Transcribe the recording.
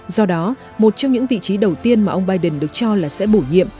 do đó một trong những vị trí đầu tiên mà ông biden được cho là sẽ bổ nhiệm